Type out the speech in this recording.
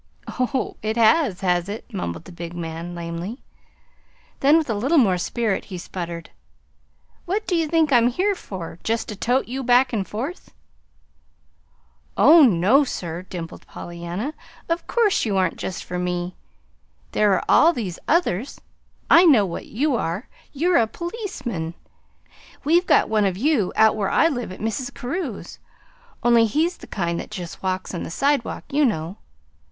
"Oh h, it has has it?" mumbled the big man, lamely. Then, with a little more spirit he sputtered: "What do you think I'm here for just to tote you back and forth?" "Oh, no, sir," dimpled Pollyanna. "Of course you aren't just for me! There are all these others. I know what you are. You're a policeman. We've got one of you out where I live at Mrs. Carew's, only he's the kind that just walks on the sidewalk, you know.